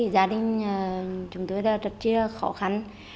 gia đình chúng tôi rất khó khăn